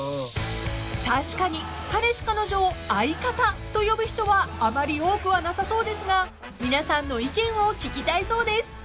［確かに彼氏彼女を「相方」と呼ぶ人はあまり多くはなさそうですが皆さんの意見を聞きたいそうです］